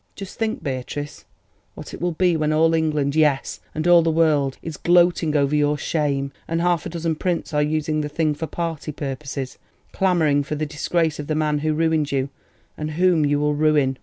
Just think, Beatrice, what it will be when all England—yes, and all the world—is gloating over your shame, and half a dozen prints are using the thing for party purposes, clamouring for the disgrace of the man who ruined you, and whom you will ruin.